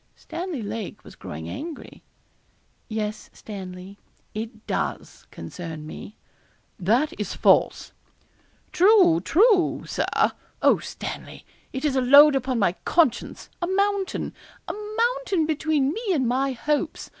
Stanley Lake was growing angry. 'Yes, Stanley, it does concern me.' 'That is false.' 'True, true, Sir. Oh, Stanley, it is a load upon my conscience a mountain a mountain between me and my hopes.